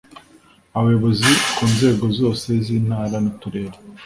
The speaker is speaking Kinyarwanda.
abayobozi ku nzego zose z'intara n'uturere;